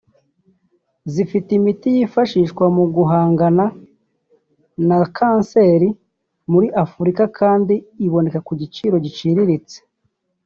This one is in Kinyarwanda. zifite imiti yakwifashishwa mu guhangana na kanseri muri Afurika kandi ikaboneka ku giciro giciriritse